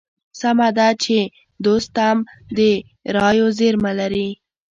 سمه ده چې دوستم د رايو زېرمه لري.